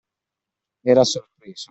Era sorpreso.